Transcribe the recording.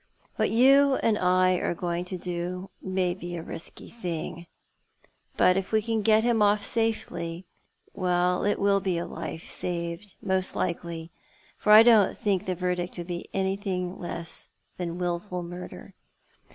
"What you and I are going to do may be a risky thing; but if we can get hira off safely — well, it will be a life saved, most likely ; for I don't think the verdict would be anything less than wilful miirder.